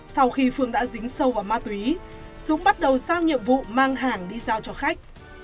sau khi phương đã dính sâu vào ma túy dũng bắt đầu sao nhiệm vụ mang hàng đi giao cho khách